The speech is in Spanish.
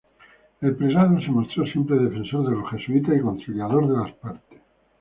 El prelado se mostró siempre defensor de los jesuitas y conciliador de las partes.